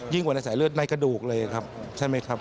กว่าในสายเลือดในกระดูกเลยครับใช่ไหมครับ